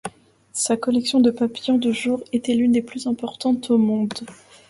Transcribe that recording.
Sa collection de papillons de jour était l’une des plus importantes au monde.